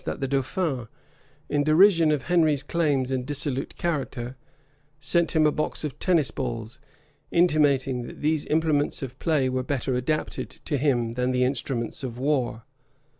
500,) that the dauphin, in derision of Henry's claims and dissolute character, sent him a box of tennis balls; intimating, that these implements of play were better adapted to him than the instruments of war.